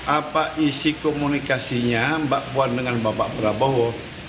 apa isi komunikasinya mbak puan dengan bapak prabowo